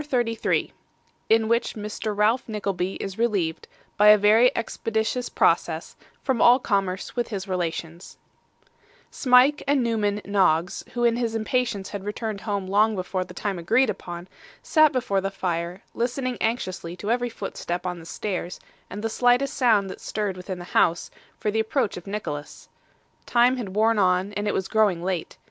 CHAPTER 33 In which Mr. Ralph Nickleby is relieved, by a very expeditious Process, from all Commerce with his Relations Smike and Newman Noggs, who in his impatience had returned home long before the time agreed upon, sat before the fire, listening anxiously to every footstep on the stairs, and the slightest sound that stirred within the house, for the approach of Nicholas. Time had worn on, and it was growing late.